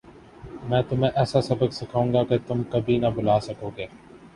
میں تمہیں ایسا سبق سکھاؤں گا کہ تم کبھی نہ بھلا سکو گے